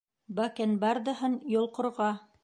— Бакенбардаһын йолҡорға...